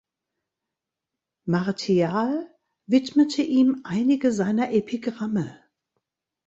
Martial widmete ihm einige seiner Epigramme.